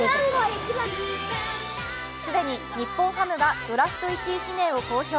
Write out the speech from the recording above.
既に日本ハムがドラフト１位指名を公表。